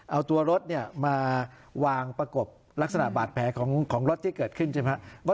เอาตัวรถมาวางประกบลักษณะบาดแผลของรถที่เกิดขึ้นใช่ไหมครับ